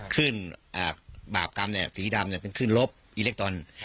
คลื่นบากรรมสีดำเป็นคลื่นรบอิเล็กตรอน